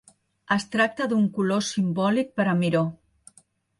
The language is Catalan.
Es tracta d'un color simbòlic per a Miró.